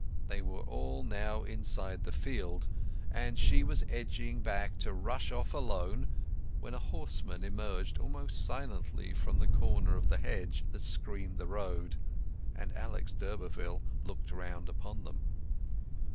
They were all now inside the field, and she was edging back to rush off alone when a horseman emerged almost silently from the corner of the hedge that screened the road, and Alec d'Urberville looked round upon them.